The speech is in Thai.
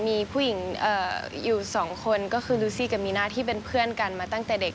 มีผู้หญิงอยู่สองคนก็คือลูซี่กับมีน่าที่เป็นเพื่อนกันมาตั้งแต่เด็ก